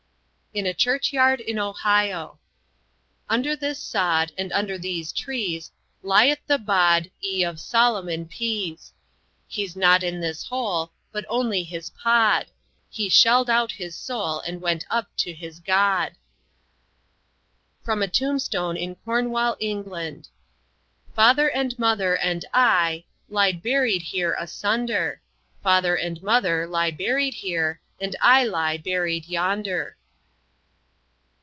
In a church yard in Ohio: "Under this sod And under these trees Lieth the Bod Y of Solomon Pease. He's not in this hole But only his pod. He shelled out his soul And went up to his God." From a tombstone in Cornwall, England: "Father and mother and I Lie buried here asunder; Father and mother lie buried here, And I lie buried yonder."